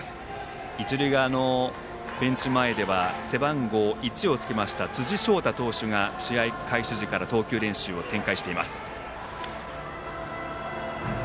一塁側のベンチ前では背番号１をつけました辻晶太投手が試合開始時から投球練習を展開しています。